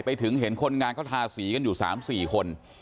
ไปถึงเห็นคนงานเขาทาสีกันอยู่๓๔คน